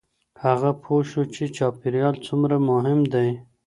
هغه پوه شو چې چاپېریال څومره مهم دی.